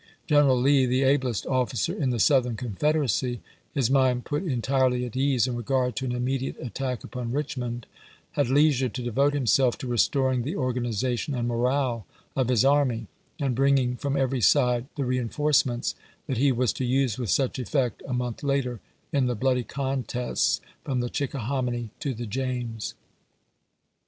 Greneral Lee, the ablest officer in the Southern Confederacy, his mind put entirely at ease in regard to an immediate attack upon Richmond, had leisure to devote him self to restoring the organization and morale of his army, and bringing from every side the reenforce ments that he was to use with such effect a month later in the bloody contests from the Chicka hominy to the James.